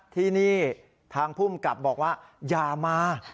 ที่นี่ทางภูมิกับบอกว่าอย่ามา